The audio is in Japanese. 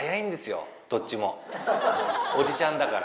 おじちゃんだから。